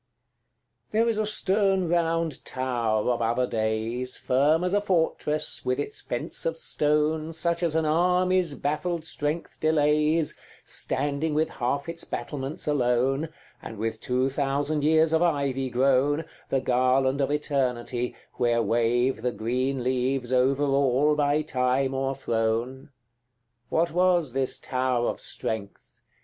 XCIX. There is a stern round tower of other days, Firm as a fortress, with its fence of stone, Such as an army's baffled strength delays, Standing with half its battlements alone, And with two thousand years of ivy grown, The garland of eternity, where wave The green leaves over all by time o'erthrown: What was this tower of strength?